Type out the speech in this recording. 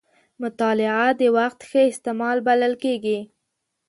مطالعه د وخت ښه استعمال بلل کېږي.